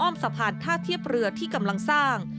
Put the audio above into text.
สะพานท่าเทียบเรือที่กำลังสร้าง